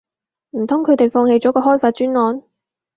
唔通佢哋放棄咗個開發專案